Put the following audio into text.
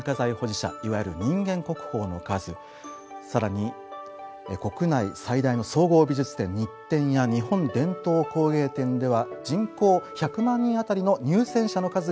いわゆる人間国宝の数更に国内最大の総合美術展日展や日本伝統工芸展では人口１００万人あたりの入選者の数が全国１位。